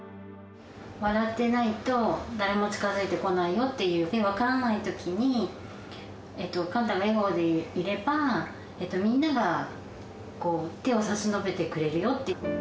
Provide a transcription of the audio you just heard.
笑ってないと誰も近づいてこないよっていう、分からないときに、寛太が笑顔でいれば、みんなが手を差し伸べてくれるよって。